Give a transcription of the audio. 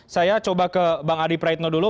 saya coba ke bang adi praetno dulu